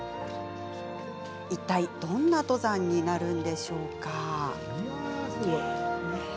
いったいどんな登山になるのでしょうか。